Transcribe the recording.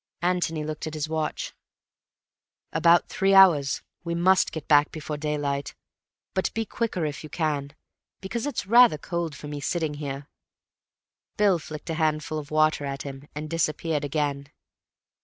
Antony looked at his watch. "About three hours. We must get back before daylight. But be quicker if you can, because it's rather cold for me sitting here." Bill flicked a handful of water at him and disappeared again.